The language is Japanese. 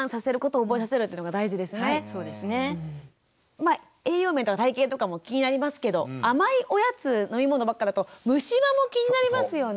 まあ栄養面とか体型とかも気になりますけど甘いおやつ飲み物ばっかだと虫歯も気になりますよね。